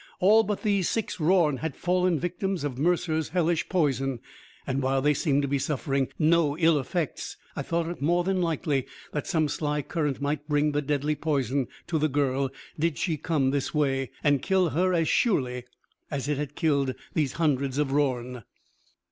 All but these six Rorn had fallen victims of Mercer's hellish poison, and while they seemed to be suffering no ill effects, I thought it more than likely that some sly current might bring the deadly poison to the girl, did she come this way, and kill her as surely as it had killed these hundreds of Rorn.